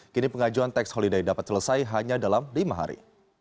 kini pengajuan tax holiday dapat selesai hanya dalam lima hari